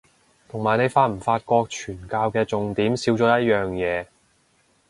同埋你發唔發覺傳教嘅重點少咗一樣嘢